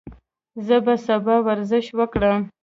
زه به سبا ورزش وکړم.